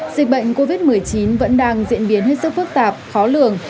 dịch bệnh covid một mươi chín vẫn đang diễn biến hết sức phức tạp khó lường